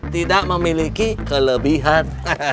tidak memiliki kelebihan